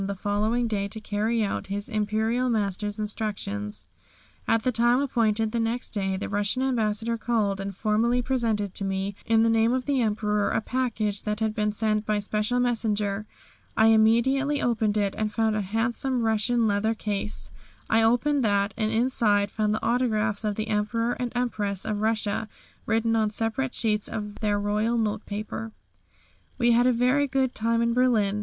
the following day to carry out his Imperial Master's instructions. At the time appointed the next day the Russian Ambassador called and formally presented to me, in the name of the Emperor, a package that had been sent by special messenger. I immediately opened it and found a handsome Russian leather case. I opened that, and inside found the autographs of the Emperor and Empress of Russia, written on separate sheets of their royal note paper. We had a very good time in Berlin.